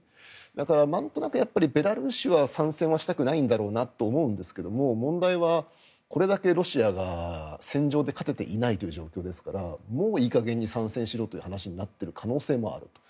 だから、なんとなくベラルーシは参戦はしたくないんだろうなと思うんですが問題はこれだけロシアが戦場で勝てていないという状況ですからもういい加減に参戦しろという話になってる可能性もある。